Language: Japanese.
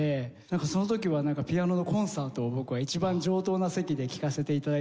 なんかその時はピアノのコンサートを僕は一番上等な席で聴かせて頂いてるような。